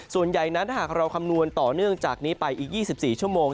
ส่วนใหญ่นั้นถ้าหากเราคำนวณต่อเนื่องจากนี้ไปอีก๒๔ชั่วโมง